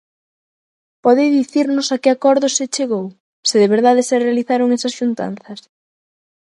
¿Pode dicirnos a que acordos se chegou, se de verdade se realizaron esas xuntanzas?